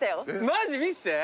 マジ⁉見せて！